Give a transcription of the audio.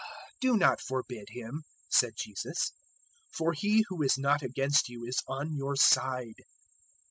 009:050 "Do not forbid him," said Jesus, "for he who is not against you is on your side."